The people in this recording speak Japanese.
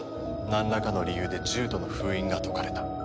なんらかの理由で獣人の封印が解かれた。